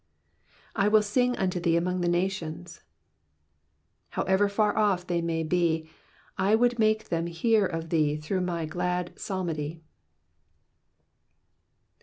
"/ will sing unto thee among the nations.'''' How ever far off they may be, I would make them hear of thee through my glad psalmody.